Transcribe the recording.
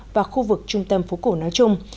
và khu vực trung tâm phố cổ nói chung